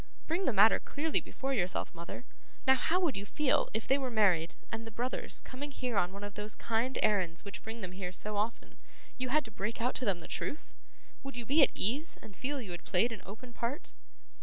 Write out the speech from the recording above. Bring the matter clearly before yourself, mother. Now, how would you feel, if they were married, and the brothers, coming here on one of those kind errands which bring them here so often, you had to break out to them the truth? Would you be at ease, and feel that you had played an open part?